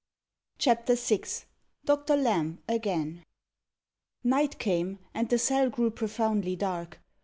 CHAPTER VI DOCTOR LAMB AGAIN Night came, and the cell grew profoundly dark.